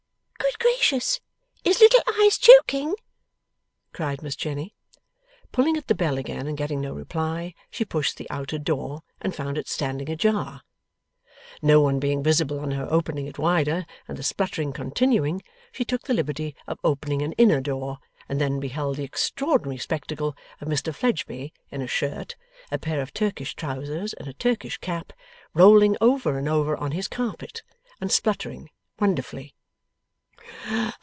'Good gracious! Is Little Eyes choking?' cried Miss Jenny. Pulling at the bell again and getting no reply, she pushed the outer door, and found it standing ajar. No one being visible on her opening it wider, and the spluttering continuing, she took the liberty of opening an inner door, and then beheld the extraordinary spectacle of Mr Fledgeby in a shirt, a pair of Turkish trousers, and a Turkish cap, rolling over and over on his own carpet, and spluttering wonderfully.